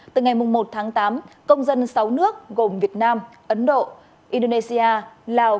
từ ngày một tháng tám công dân sáu nước gồm việt nam ấn độ indonesia lào